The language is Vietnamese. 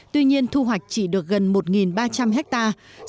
tuy nhiên thu hoạch chỉ được gần một ba trăm linh hectare